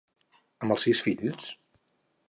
Amb els sis fills?